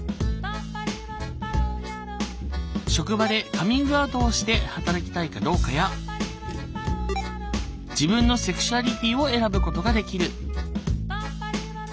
職場でカミングアウトして働きたいかどうかや自分のセクシュアリティーを選ぶことができる。